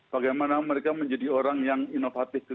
bagaimana mereka menjadi orang yang inovatif